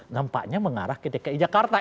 nampaknya mengarah ke dki jakarta